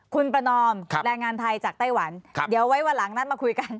คุณประนอมแรงงานไทยจากไต้หวันเดี๋ยวไว้วันหลังนั้นมาคุยกัน